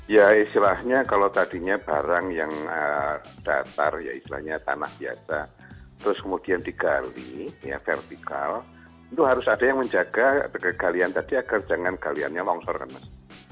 ya istilahnya kalau tadinya barang yang datar ya istilahnya tanah biasa terus kemudian digali ya vertikal itu harus ada yang menjaga kegalian tadi agar jangan galiannya longsor kan mas